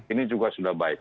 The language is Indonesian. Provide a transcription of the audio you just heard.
ini juga sudah baik